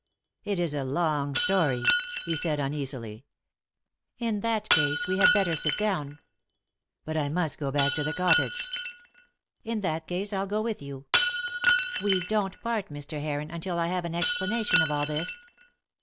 "It is a long story," he said uneasily. "In that case we had better sit down." "But I must go back to the cottage." "In that case I'll go with you. We don't part, Mr. Heron until I have an explanation of all this.